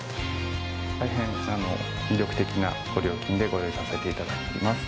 大変魅力的なご料金でご用意させていただいています。